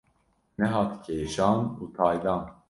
Nehat kêşan û taydan.